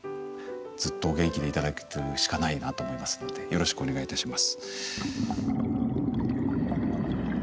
ずっとお元気でいて頂くしかないなと思いますのでよろしくお願いいたします。